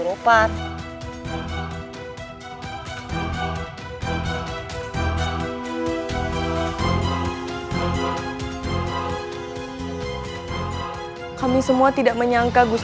kalau kerajaan burangrang berani menyerang galus